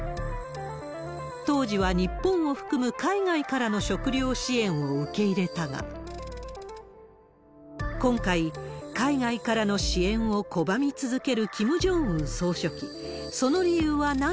当時は日本を含む海外からの食糧支援を受け入れたが、今回、海外からの支援を拒み続けるキム・ジョンウン総書記。